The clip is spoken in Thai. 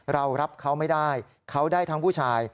เรารับเขาไม่ได้เขาได้ทั้งผู้ชาย